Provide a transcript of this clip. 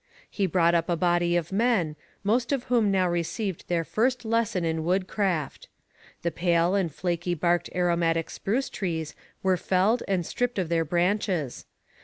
He brought up a body of men, most of whom now received their first lesson in woodcraft. The pale and flaky barked aromatic spruce trees were felled and stripped of their branches.